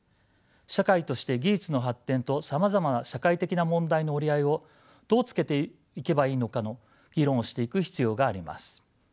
社会として技術の発展とさまざまな社会的な問題の折り合いをどうつけていけばいいのかの議論をしていく必要があります。